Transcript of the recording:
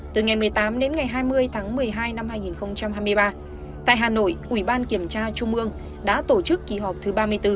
từ ngày một mươi tám đến ngày hai mươi tháng một mươi hai năm hai nghìn hai mươi ba tại hà nội ủy ban kiểm tra trung ương đã tổ chức kỳ họp thứ ba mươi bốn